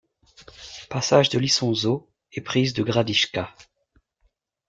Passage de l'Isonzo et prise de Gradisca.